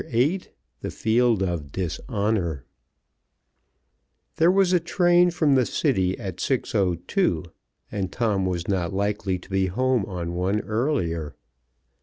VIII THE FIELD OF DISHONOR There was a train from the city at 6:02, and Tom was not likely to be home on one earlier.